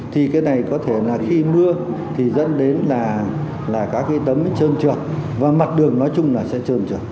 thì cái này có thể là khi mưa thì dẫn đến là các cái tấm trơn trượt và mặt đường nói chung là sẽ trơn trượt